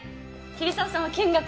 桐沢さんは見学。